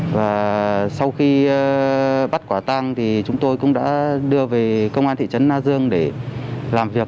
và sau khi bắt quả tăng thì chúng tôi cũng đã đưa về công an thị trấn na dương để làm việc